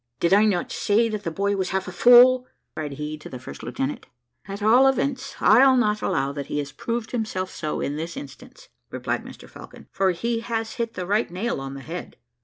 "Did I not say that the boy was half a fool?" cried he to the first lieutenant. "At all events, I'll not allow that he has proved himself so in this instance," replied Mr Falcon, "for he has hit the right nail on the head."